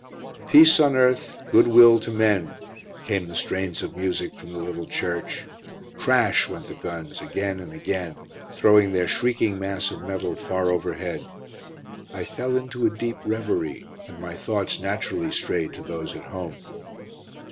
"Peace on earth, good will to men," came the strains of music from the little church. Crash! went the guns again and again, throwing their shrieking mass of metal far overhead. I fell into a deep reverie, and my thoughts naturally strayed to those at home.